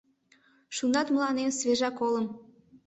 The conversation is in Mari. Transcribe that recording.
...Шунат мыланем свежа колым.